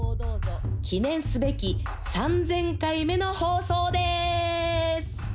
記念すべき３０００回目の放送です。